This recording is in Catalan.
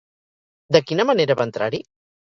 De quina manera va entrar-hi?